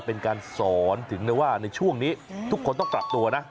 เป็นการสอนถึงได้ว่าในช่วงนี้ทุกคนต้องปรับตัวนะ